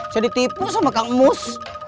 saya ditipu sama kang emis